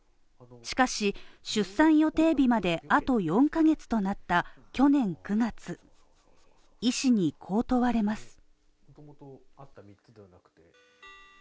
しかし、出産予定日まであと４カ月となった去年９月医師にこう問われます。